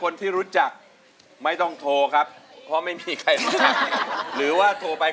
ดีมากครับสามีเจ้าดีมาก